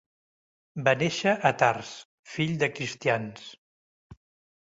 Va néixer a Tars, fill de cristians.